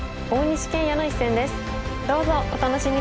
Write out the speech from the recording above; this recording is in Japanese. どうぞお楽しみに！